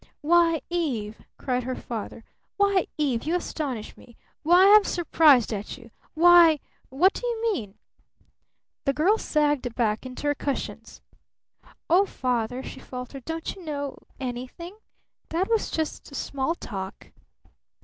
"Why, Eve!" cried her father. "Why, Eve, you astonish me! Why, I'm surprised at you! Why what do you mean?" The girl sagged back into her cushions. "Oh, Father," she faltered, "don't you know anything? That was just 'small talk.'"